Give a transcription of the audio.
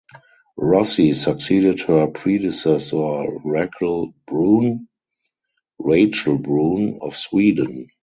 Rossi succeeded her predecessor Raquel Bruhn (Rachel Bruhn) of Sweden.